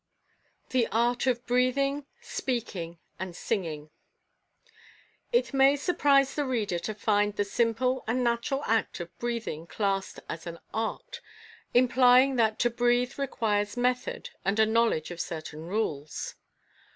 THE ART OF BREATHING, SPEAKING AND SINGING. It may surprise the reader to find the simple and ratural act of breathing classed as an Art, implying that to breathe requires method and a knowledge of certain rules.